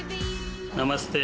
ナマステ。